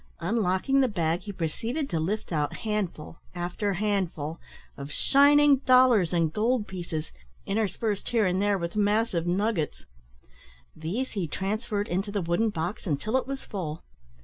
Unlocking the bag, he proceeded to lift out handful after handful of shining dollars and gold pieces, interspersed here and there with massive nuggets. These he transferred into the wooden box until it was full.